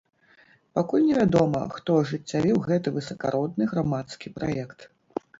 Пакуль не вядома, хто ажыццявіў гэты высакародны грамадскі праект.